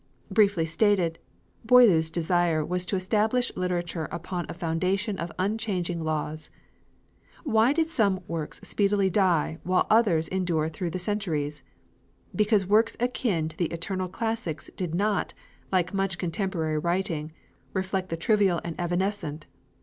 Briefly stated, Boileau's desire was to establish literature upon a foundation of unchanging laws. Why did some works speedily die while others endure through the centuries? Because works akin to the eternal classics did not, like much contemporary writing, reflect the trivial and evanescent.